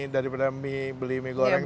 dari beli mie goreng